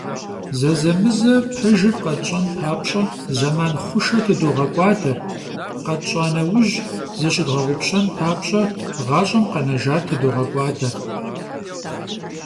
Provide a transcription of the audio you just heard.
Зэзэмызэ пэжыр къэтщӏэн папщӏэ зэман хъушэ тыдогъэкӏуадэ, къэтщӏа нэужь, зыщыдгъэгъупщэн папщӏэ гъащӏэм къэнэжар тыдогъэкӏуадэ.